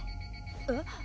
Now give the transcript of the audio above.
えっ？